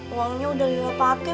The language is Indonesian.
uangnya udah lila pake